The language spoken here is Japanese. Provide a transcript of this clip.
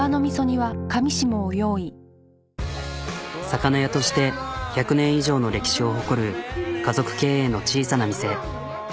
魚屋として１００年以上の歴史を誇る家族経営の小さな店。